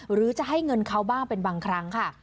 หรือจะให้เงินเขาบ้างเป็นบางครั้งค่ะ